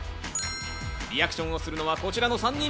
リアクションをするのはこちらの３人。